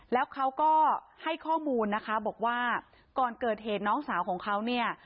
แล้วเขาก็ให้ข้อมูลนะคะบอกว่าก่อนเกิดเหตุน้องสาวของเขาเนี่ย